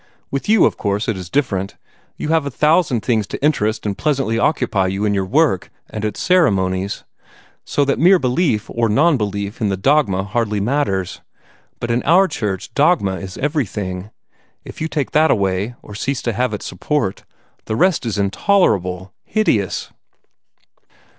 With you, of course, it is different. You have a thousand things to interest and pleasantly occupy you in your work and its ceremonies, so that mere belief or non belief in the dogma hardly matters. But in our church dogma is everything. If you take that away, or cease to have its support, the rest is intolerable, hideous."